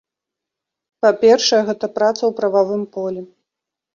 Па-першае, гэта праца ў прававым полі.